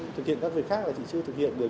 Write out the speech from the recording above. thực hiện các việc khác là chị chưa thực hiện được